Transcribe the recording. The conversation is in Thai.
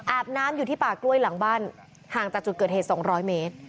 น้ำอยู่ที่ป่ากล้วยหลังบ้านห่างจากจุดเกิดเหตุ๒๐๐เมตร